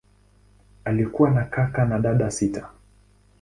Alikuwa na kaka na dada sita.